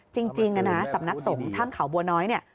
จริงนะสำนักสงฆ์ถ้ำเขาบัวน้อยเนี่ย